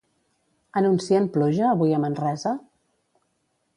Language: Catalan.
Anuncien pluja avui a Manresa?